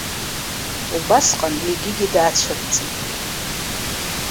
Убасҟан егьигьы даацәырҵит.